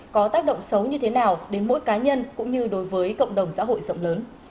có tác động xấu như thế nào đến mỗi cá nhân cũng như đối với cộng đồng xã hội rộng lớn